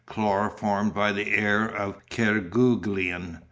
Chloroformed by the air of Kerguelen.